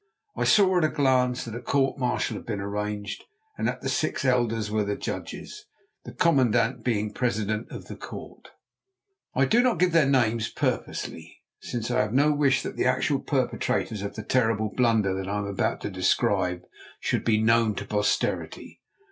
I saw at a glance that a court martial had been arranged and that the six elders were the judges, the commandant being the president of the court. I do not give their names purposely, since I have no wish that the actual perpetrators of the terrible blunder that I am about to describe should be known to posterity.